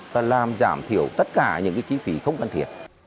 và làm giảm thiểu tất cả những chi phí